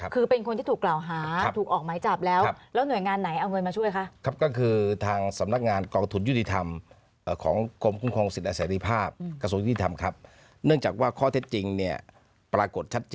คือเป็นคนที่ถูกกล่าวหา